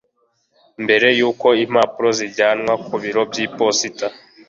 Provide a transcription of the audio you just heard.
mberey'uko impapuro zijyanwa ku biro by'iposita